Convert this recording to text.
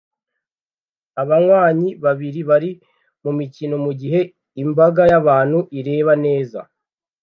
Abanywanyi babiri bari mumikino mugihe imbaga y'abantu ireba neza